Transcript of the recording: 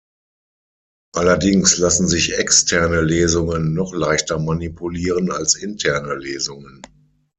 Allerdings lassen sich externe Lesungen noch leichter manipulieren als interne Lesungen.